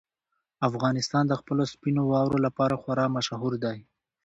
افغانستان د خپلو سپینو واورو لپاره خورا مشهور دی.